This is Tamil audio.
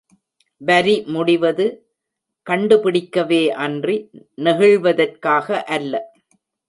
வரி முடிவது ...கண்டுபிடிக்கவே அன்றி, நெகிழ்வதற்காக அல்ல.